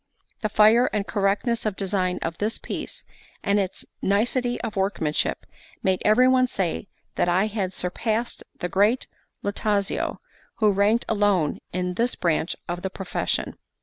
The fire and correctness of design of this piece, and its nicety of workmanship, made every one say that I had surpassed the great Lautizio, who ranked alone in this branch of the profession.